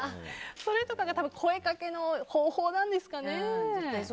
それとかが声掛けの方法なんですかね。